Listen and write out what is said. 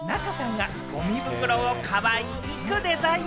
名嘉さんが、ゴミ袋をかわいくデザイン。